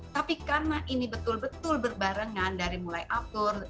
tapi karena ini betul betul berbarengan dari mulai atur